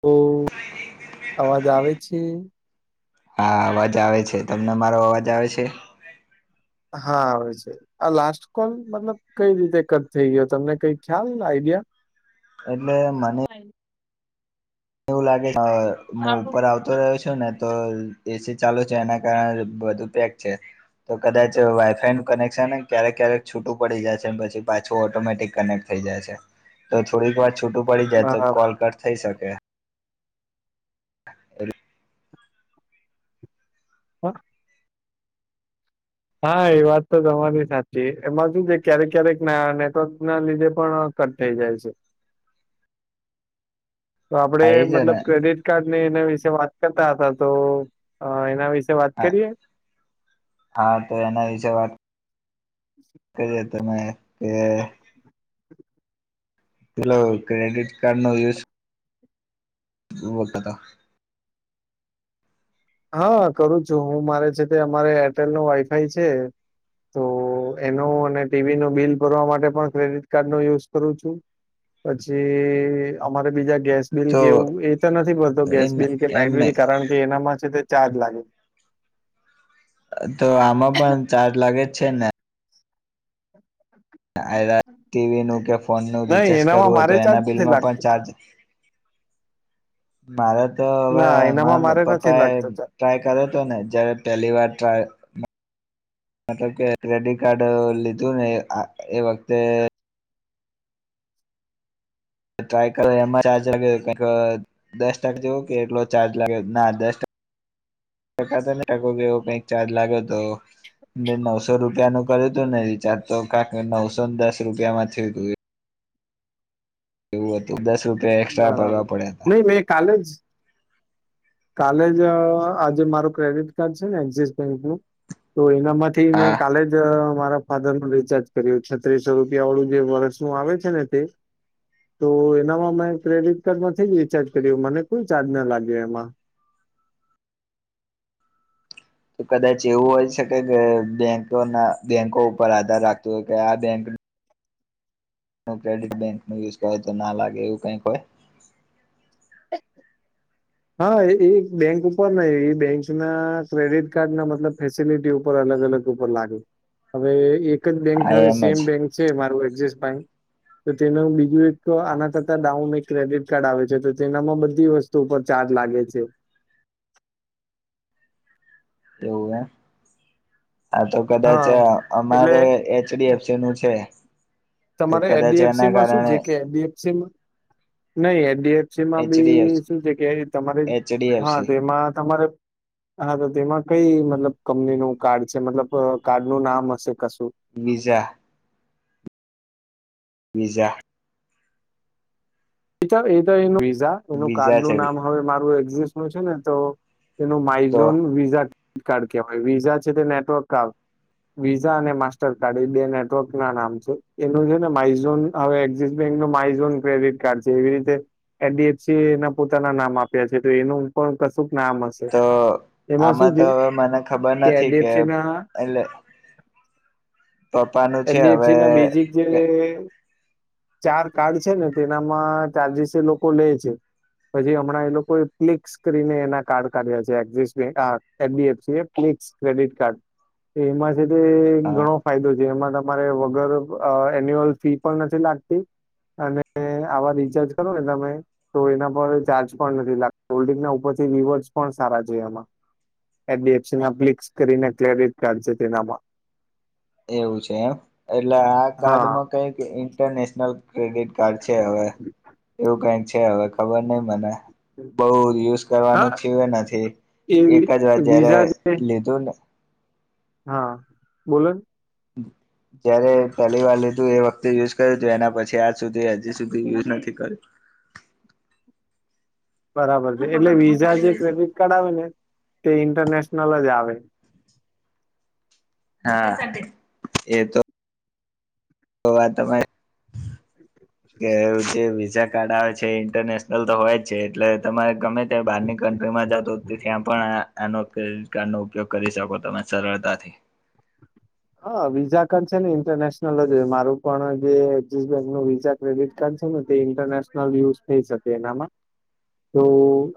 Hello અવાજ આવે છે? હા અવાજ આવે છે. તમને મારો અવાજ આવે છે? હા આવે છે. આ લાસ્ટ કોલ મતલબ કઈ રીતે કટ થઈ ગયો તમને કઈ ખ્યાલ આઈડિયા? એટલે મને હ [inaudible] એવું લાગે હું ઉપર આવતો રહ્યો છું ને તો એસી ચાલુ છે એના કારણે બધું પેક છે. તો કદાચ વાઈફાઈ નું કનેક્શન ક્યારેક ક્યારેક છૂટું પડી જાય છે પછી પાછું ઓટોમેટિક કનેક્ટ થઈ જાય છે. તો થોડીક વાર છૂટું પડી જાય તો બરાબર કોલ કટ થઈ શકે. [inaudible] હ. હા એ વાત તો તમારી સાચી એમાં શું છે ક્યારેક ક્યારેક નેટવર્ક ના લીધે પણ કટ થઈ જાય છે. [inaudible] [inaudible] તો આપડે હા એ જ ને મતલબ ક્રેડિટ ની એના વિશે વાત કરતા હતા તો એના વિશે વાત કરીએ? હા તો એના વિશે [inaudible] વાત કરીએ તમે કે પેલો ક્રેડિટ કાર્ડ નો યુઝ [unintelligible] હા કરું છું હું મારે છે તે અમારે એરટેલ નો વાઈફાઈ છે તો એનો અને ટીવી ન બિલ ભરવા માટે પણ ક્રેડિટ કાર્ડ નો યુઝ કરું છું. પછી અમારે બીજા ગેસ બિલ તો કે એવું એ તો નથી ભરતો ગેસ એમને બિલ કે લાઈટ એમને બિલ કારણ કે એનામાં છે તે ચાર્જ લાગે. તો આમાં પણ ચાર્જ લાગે જ છે ને? ટીવી કે ફોનનું નહી રિચાર્જ એનામાં કરવું તો મારે ચાર્જ એના નથી બિલમાં લાગતો ચાર્જ [inaudible] મારે તો હવે ના મા એનામાં મારે નથી પપ્પા એ લાગતો ટ્રાય કર્યો હતો ને જયારે પહેલી વાર ટ્રાય મતલબ કે ક્રેડિટ કાર્ડ લીધું ને એ વખતે ટ્રાય કરો ચાર [unintelligible] દસ ટકા જેવો કે એટલો ચાર્જ લાગે ના દસ ટ ટકા તો ને ટકો કે એવો કઈક બેંક ચાર્જ લાગ્યો હતો. નવસો રૂપિયા નું કર્યું હતું ને રિચાર્જ તો નવસો ને દસ રૂપિયામાં થયું હતું. એવું હતું દસ રૂપ બરાબર નહી મે કાલે જ કાલે જ આજે મારું ક્રેડિટ કાર્ડ છે ને એક્સિસ બેંક નું તો એનામાંથી હા મેં કાલે જ મારા ફાધર નું રિચાર્જ કર્યું છત્રીસો રૂપિયા વાળું જે વર્ષનું આવે છે ને તે. તો એનામાં મેં ક્રેડિટ કાર્ડ માંથી જ રિચાર્જ કર્યું મને કોઈ ચાર્જ ના લાગ્યો એમાં. તો કદાચ એવું હોય શકે કે બેંકો ના બેંકો ઉપર આધાર રાખતું હોય કે આ બેંક ક્રેડિટ બેંક ન યુઝ કરે તો ના લાગે એવું કંઈક હોય? હા એ બેંક ઉપર એ બેંક ના ક્રેડિટ કાર્ડ ના મતલબ ફેસિલિટી ઉપર અલગ અલગ ઉપર લાગે હવે એક એક જ બેંક હા હવે એમ જ સેમ બેંક છે મારું એક્સસ બેંક તો તેનું બીજું એક તો આના કરતા ડાઉન એક ક્રેડિટ કાર્ડ આવે છે તો તેનામાં બધી વસ્તુ પર ચાર્જ લાગે છે. એવું હે હા તો કદાચ હા. એટલે અમારે એચડીએફસી નું છે. તો તમારે કદાચ એના એડીએફસી માં શું કારણે છે કે એડીએફસીમાં નહી એડીએફ જેમાં એચડીએફ બી શું છે કે તમારે હા એચડીએફસી તેમાં તમારે હા તો તેમાં કઈ મતલબ કંપની કાર્ડ છે કંપની નું કાર્ડ છે મતલબ કાર્ડ નું નામ હશે કશું વીઝા. બીજા એ એનું વિઝા એનું કાર્ડ વિઝા છે નું નામ હવે મારું એક્ઝિસ્ટ નું છે ને તો એનું તો માઇઝોન વિઝા કાર્ડ કેવાય વિઝા છે તે નેટવર્ક ક વિઝા અને માસ્ટરકાર્ડ એ બે નેટવર્ક ના નામ છે એનું છે ને માઇઝોન હવે એક્સિસ બેંક ન માઇઝોન ક્રેડિટ કાર્ડ છે એવી રીતે એડીએફસી એ પોતાના નામ આપ્યા છે તો એનું પણ કશુંક નામ હશે. તો એમાં શું આમાં તો છે મને ખબર નથી કે એડીએફસી ના એટલે પપ્પાનું એચ. છે ડી. એફ. હવે સી ના બેઝિક જે કે ચાર કાર્ડ છે ને તેનામાં ચર્જિશ એ લોકો લે છે. પછી હમણાં એ લોકો્લ સ્ક્રીને એના કાર્ડ કાઢ્યા છે Axis bank H. D. F. C clicks credit card એમાંથી બી અ ઘણો ફાયદો છે. જેમાં તમારે વગર એન્યુઅલ ફી પણ નથી લાગતી અને આવા રિચાર્જ કરો ને તમે તો એના પર ચાર્જ પણ નથી લાગતો કોલ્ડ્રિંક ના ઉપરથી રીવર્ડ્સ પણ સારા છે એમાં એડીએફસીમાં ક્લિક્સ કરીને ક્રેડિટ કાર્ડ છે તેનામાં એવું છે એમ એટલે આ હા કાર્ડમાં કઈક ઇન્ટરનેશનલ ક્રેડિટ કાર્ડ છે હવે એવું કઈક છે હવે ખબર નહી મને બહુ જ યુઝ હા કરવાનું થયું નથી એ એક જ વાર જયારે વિઝા જે લીધું ને હા બોલો [inaudible] જયારે પહેલી વાર લીધું એ વખતે યુઝ કર્યું હતું એના પછી આજ સુધી હજી સુધી યુઝ નથી કર્યો. બરાબર છે એટલે વિઝા જે ક્રેડિટ કાર્ડ આવે ને તે ઇન્ટરનેશનલ જ આવે. હા એ તો એવા તો હોય કે જે વિઝા કાર્ડ આવે છે ઇન્ટરનેશનલ તો હોય જ છે એટલે તમારે ગમે તે બહારની કન્ટ્રીમાં જાવ તો ત્યાં પણ આનો ક્રેડિટ ઉપયોગ કરી શકો તમે સરળતાથી. હા વિઝા કાર્ડ છે ને ઇન્ટરનેશનલ જ હોય મારું પણ જે એક્સિક્સ બેંક નો વિઝા ક્રેડિટ કાર્ડ છે ને તે ઇન્ટરનેશનલ યુઝ થઈ શકે એનામાં તો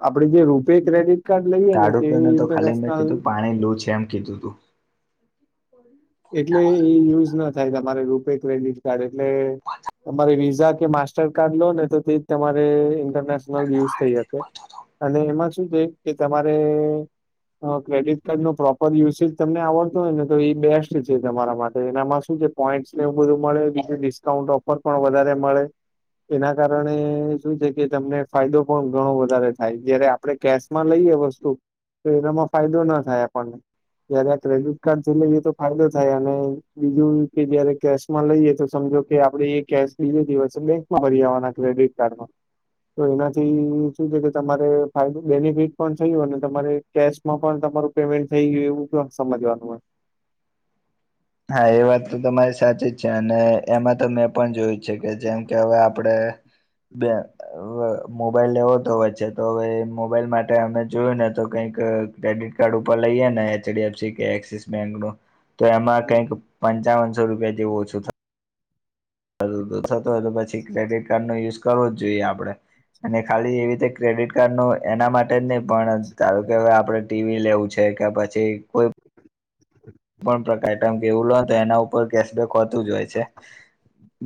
આપણે જે રૂપે ક્રેડિટ કાર્ડ લઈએ ને તે ઇન્ટરનેશનલ આયલુ છે એમ કીધું તું એટલે એ યુઝ ના થાય તમારે રૂપે ક્રેડિટ કાર્ડ એટલે તમારી વિઝા કે માસ્ટ માસ્ટર કાર્ડ લો ને તો તે તમારે ઇન્ટરનેશનલ યુઝ થઈ હકે અને એમાં શું છે કે તમારે ક્રેડિટ કાર્ડ નો પ્રોપર યુસેજ તમને આવડતો હોય ને તો એ બેસ્ટ છે તમારા માટે એનામાં શું છે પોઈન્ટને એવું બધું મળે બીજ ડિસ્કાઉન્ટ ઓફર પણ વધારે મળે. એના કારણે શું છે કે તમને ફાયદો પણ ઘણો વધારે થાય જ્યારે આપ આપણે કેશમાં લઈએ વસ્તુ તો એનામાં ફાયદો ના થાય આપણને જયારે આ ક્રેડિટ કાર્ડ જોઈ લઈ તો ફાયદો થાય અને બીજું કે જયારે કેશ માં લઈએ તો સમજો કે આપણે એ કેશ બીજો દિવસ બે ફરી આવવાના ક્રેડિટ કાર્ડમાં તો એનાથી શું છે કે તમારે ફાયદો બેનિફિટ પણ થયું અને તમારે કેશ માં પણ તમારું પેમેન્ટ થઈ ગયું એવું [unintelligible] પણ સમજવાનું હો હા એ વાત તો તમારી સાચી જ છે અને એમાં તમે પણ જોઈ છે કે જેમ કે હવે આપણે બે અહ મોબાઈલ લેવો તો વચ્ચે તો હવે મોબાઈલ માટે અમે જોયું ને તો કઈક ક્રેડિટ કાર્ડ ઉપર લઈએ ને એચ ડી એફ સી કે એક્સિસ બેંક નું તો એમાં કઈક પંચાવનસો રૂપિયા જેવું ઓછું થતું થતું તું થતુ હતુ તો પછી ક્રેડિટ કાર્ડ નો યુઝ કરવો જ જોઈએ આપણે અને ખાલી એવી રીતે ક્રેડિટ કાર્ડ નો એના માટે જ નહી પણ કે હવે આપણે ટીવી લેવું છે કે પછી કોઈ પણ પ્રકારે તમે કેવું લો તો એના ઉપર કેશબેક હોતું જ હોય છે.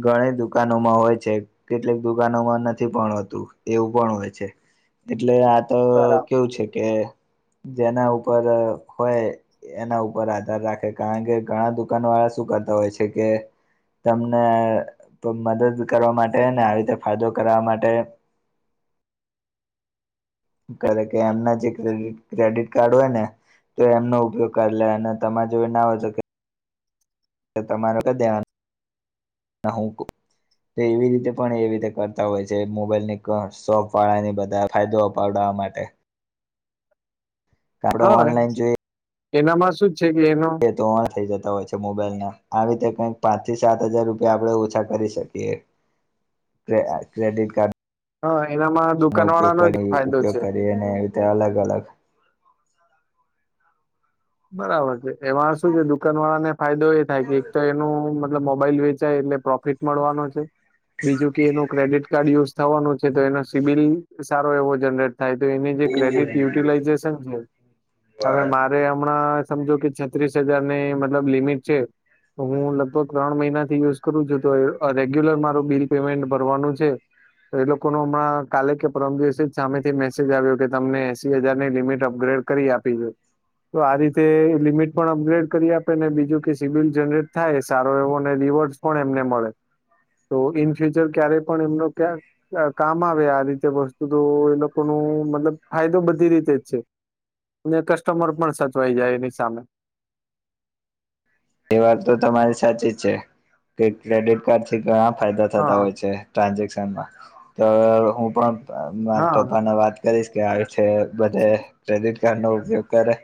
ઘણી દુકાનોમાં હોય છે કેટલીક દુકાનોમાં નથી પણ હોતું એવું પણ હોય છે. એટલે આ અહ બરાબર કેવું છે કે જેના ઉપર હોય એના ઉપર આ ધાર રાખે કારણ કે ઘણા દુકાન વાળા શું કરતા હોય છે કે તમને મદદ કરવા માટે ને આવી રીતે ફાયદો કરવા માટે કરે કે એમના જે ક્રેડી ક્રેડિટ કાર્ડ હોય ને તો એમનો ઉપયોગ કરી લે અને તમારે જોડે ના હોય તો તો તમારે કે દેવાનું કે હું તો એવી રીતે પણ એવી રીતે કરતા હોય છે મોબાઈલ ની ઘ શોપ વાળા ને એ બધા ફાયદો અપાવડાવવા માટે. આપણે હા ઓનલાઈન એનામાં શું જ છે કે એનો ધોવાણ થઈ જતા હોય છે મોબાઈલ ના આવે તે ટાઈમે પાંચ થી સાત હજાર રૂપ યા આપણે ઓછા કરી શકીએ કે ક્રેડિટ કાર્ડ હ એનામાં નો દુકાન ઉપયોગ વાળાનો જ કરી ફાયદો ઉપયોગ છે કરી અને એવી રીતે અલગ-અલગ બરાબર છે, એમાં શું છે દુકા કાન વાળા ને ફાયદો એ થાય કે એક તો એનું મતલબ મોબાઈલ વેચાય એટલે પ્રોફિટ મળવાનો છે. બીજું કે એનું ક્રેડિટ કાર્ડ યુઝ થવાનું છે, તો એનો સિબિલ સારો એવો જનરેટ થાય તો એની જે ક્રેડિટ યુટિલાઈઝેશન છે હવે મારે હમણાં સમજો કે છત્રીસ હજાર ની મતલબ લિમિટ છે. તો હું લગભગ ત્રણ મહિના થી યુઝ કરું છું તો રેગ્યુલર માર બિલ પેમેન્ટ ભરવાનું છે. તો એ લોકો હમણાં કાલે કે પરમ દિવસે જ સામેથી મેસેજ આવ્યો કે તમને એસી હજારની લિમિટ અપગ્રેડ કરી આપી છે. તો આ રીતે લિમિટ પણ અપગ્રેડ કરી આપે ને બીજું કે સિબિલ જનરેટ થાય સારો એવો ને રિવર્સ પણ એમને મળે, તો ઈન ફ્યુચર ક્યારે પણ એમનો ક્યાં કામ આવે આ રીતે વસ્તુ તો એ લોકો નુ મતલબ ફાયદો બધી રીતે જ છે. અને કસ્ટમર પણ સચવાઈ જાય એની સામે. એ વાત તો તમારી સાચી જ છે કે ક્રેડિટ કાર્ડ થી ઘણા ફાયદા થતા હા હોય છે. ટ્રાન્ઝેક્શનમાં, તો હું પણ મારા હા પપ્પાને વાત કરીશ કે આવી છે બધે ક્રેડિટ કાર્ડ નો ઉપયોગ કરે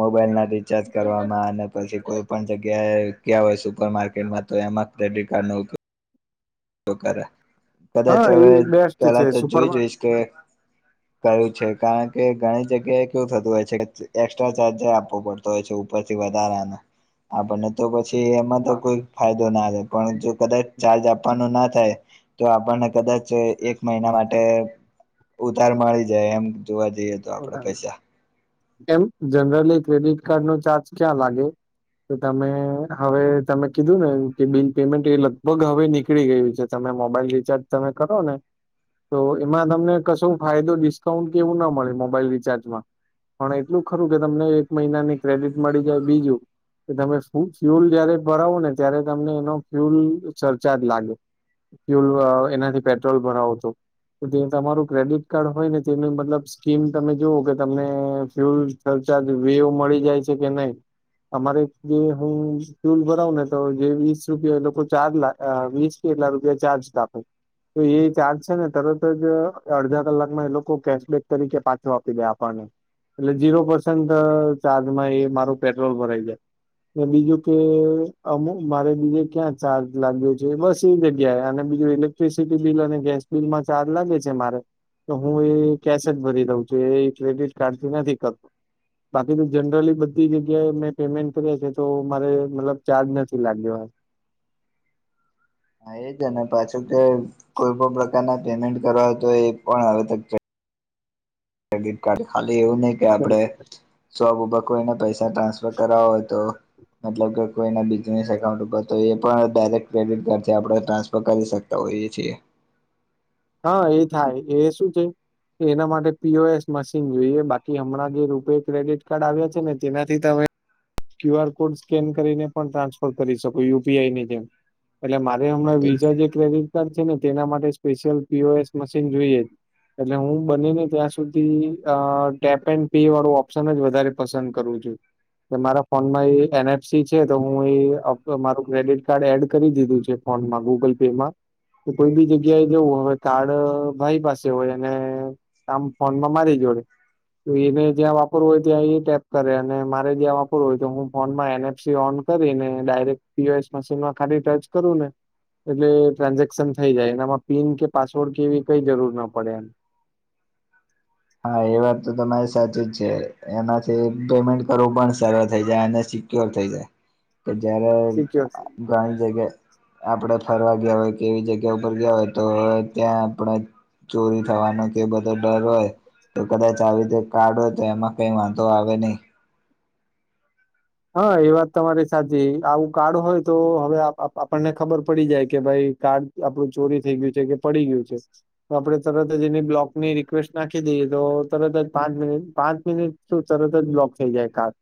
મોબાઈલ ના રિચાર્જ કરવામાં ને પછી કોઈ પણ જગ્યાએ ગયા હોય સુપર માર્કેટમાં તો એમાં ક્રેડિટ કાર્ડ નો ઉ પયોગ કરે કદાચ હા હવે એ બેસ્ટ છે પહેલા તો જોઈ સુપરમાં જોઈશ કે કયું છે કારણ કે ઘણી જગ્યાએ કેવું થતું હોય છે એક્સ્ટ્રા ચાર્જે આપવો પડતો. હોય છે ઉપર થી વધારાનો. આપણને તો પછી એમાં તો હા કોઈ ફાયદો ના રેય પણ જો કદાચ ચાર્જ આપ પવાનું ના થાય આપણને કદાચ એક મહિના માટે ઉધાર મળી જાય એમ જોવા જઈએ તો આપડે પૈસા. એમ જનરલી ક્રેડિટ કાર્ડ નો ચાર્જ ક્યાં લાગે? તો તમે હવે તમે કીધું ને કે બિલ પેમેન્ટ એ લગભગ હવે નીકળી ગયું છે. તમે મોબાઈલ રિચાર્જ તમે કરો ને તો એમાં તમને કશો ફાયદો ડિસ્કાઉન્ટ કે એવું ના મળે મોબાઈલ રિચાર્જમાં. પણ એટલું ખરું કે તમને એક મહિનાની ક્રેડિટ મળી જાય બીજું કે તમે ફુલ ફ્યુલ જયારે ભરાવો ને ત્યારે તમને એનો ફ્યુલ સરચાર્જ લાગે. ફ્યુલ એનાથી પેટ્રોલ ભરાવો તો. તો તે તમારું ક્રેડિટ કાર્ડ હોય ને તેનું મતલબ સ સ્કીમ તમે જોવો કે તમને ફ્યુલ સરચાર્જ વિવ્વુ મળી જાય છે કે નહી અમારે જે હું ફ્યુલ ભરાવું ને તો જે વીસ રૂપિયા એ લોકો ચાર્જ લા વીસ એટલા રૂપિયા ચાર્જ કાપે તો એ ચાર્જ છે ને તરત જ અડધા કલાકમાં એ લોકો કેશબેક તરીકે પાછો આપી દે આપણને એટલે ઝીરો પર્સેન્ટ ચાર્જમાં એ મારું પેટ્રોલ ભરાઈ જાય બીજું કે અમુ મારે બીજે ક્યાં ચાર્જ લાગ્યો છે બસ એ જગ્યાએ અને બીજું એટલે [unintelligible] બિલ અને ગેસ બિલમાં ચાર્જ લાગે છે મારે તો હું એ કેસ જ ભરી દઉં છે એ ક્રેડિટ કાર્ડ થી નથી કરતો બાકી તો જનરલી બધી જગ્યાએ મેં પેમેન્ટ કરીયા છે તો મારે મતલબ ચાર્જ નથી લાગ્યો હા એજ ને પાછું કે કોઈ પણ પ્રકારના પેમેન્ટ કરવા તો એ પણ હવેતો ક્રે ક્રેડિટ કાર્ડ ખાલી એવું નહી કે આપડે શોપ ઉપર કોઈને પૈસા ટ્રાન્સફર કરવા હોય તો મતલબ કે કોઈના બિઝનેસ એકઉન્ટ ઉપર તો એ પણ ડાયરેક્ટ ક્રેડિટ કાર્ડથી આપણે ટ્રાન્સફર કરી શકીએ તો હોએ છે. હા એ થાય એ શું છે એના માટે પી ઓ એસ મશીન જોઈએ બાકી હમણાં જે રૂપે ક્રેડિટ કાર્ડ આવ્યા છે ને તેનાથી તમે ક્યુ આર કોડ સ્કેન કરીને પણ ટ્રાન્સફર કરી શકો યુ પી આઈ ની જેમ એટલે મા અરે હમણાં વિઝા જે ક્રેડિટ કાર્ડ છે ને તેના માટે special P O S machine જોઈએ એટલે હું બને ને ત્યાં સુધી અ ટેપ એન્ડ પે વાળો ઓપ્શન જ વધારે પસંદ કરૂ છું. કે મારા ફોનમાં એ એન એફ સી છે તો હું એ મારું ક્રેડિટ કાર્ડ એડ કરી દીધું છે ફોનમાં ગૂગલ પે માં તો કોઈ બી જગ્યાએ જવું હોય કાર્ડ ભાઈ પાસે હોય અને આમ ફોનમાં મારી જોડે તો એને જ્યાં વાપરવું હોય ત્યાં એ ટેપ કરે અને મારે જ્યાં વાપરવું હોય તો હું ફોનમાં એન એફ સી ઓન કરીને ડાયરેક્ટ પીઓએસ મશીનમાં ખાલી ટચ કરું ને એટલે ટ્રાન્ઝેક્શન થઈ જાય એનામાં પીન કે પાસવર્ડ કે એવી કઈ જરૂર ના પડે એમ હા એ વાત તો તમારે સાચી જ છે એમાંથી પેમેન્ટ કરવું પણ સરળ થઈ જાય અને સી ક્યોર થઈ જાય પણ જયારે સિક્યોર ગણ જગ્યા એ આપણે ફરવા ગયા હોય કે એવી જગ્યા ઉપર ગયા હોય તો ત્યાં આપણે ચોરી થવાનો કે એ બધો ડર હોય તો કદાચ આવી રીતે કાર્ડ હોય તો એમાં કઈ વાંધો આવે નહી હા એ વાત તમારી સાચી આવું કાર્ડ હોય તો હવે આપણને ખબર પડી જાય કે ભાઈ કાર્ડ ચોરી થઇ ગયું કે પડી ગયું છે. તો આપણે તરત જ એની રિકવેસ્ટ નાખી દઈએ તો તરત જ પાંચ મિનિટ પાંચ મિનિટ શું તરત જ બ્લોક થઈ જાય કાર્ડ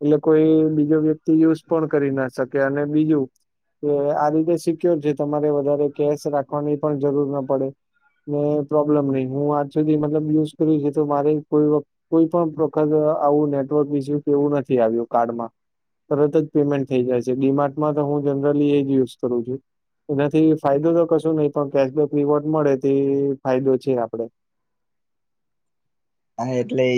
એટલે કોઈ બીજો વ્યક્તિ યુઝ પણ કરી ના શકે અને બીજું કે આ રીતે સિક્યોર છે તમારે વધારે કેશ રાખવાની પણ જરૂર ના પડે ને પ્રોબ્લેમ નહી હું આજ સુધી મતલબ યુઝ કર છે તો મારે કોઈ કોઈ પણ પ્રકાર આવું નેટવર્ક વિશે કેવું નથી આવ્યું કાર્ડમાં તરત જ પેમેન્ટ થઈ જાય છે ડીમાર્ટમાં તો હું જનરલી એ જ યુઝ કરું છું. એનાથી ફાયદો તો કશું નહી પણ કેશબેક રીવોર્ડ મળે તે ફાયદો છે આપણે હા એટલે